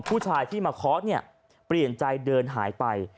ผู้ชายที่มาเคาะเนี่ยเปลี่ยนใจเดินหายไป